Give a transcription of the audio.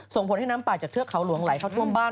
ส่งผลให้น้ำป่าจากเทือกเขาหลวงไหลเข้าท่วมบ้าน